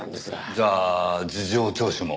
じゃあ事情聴取も？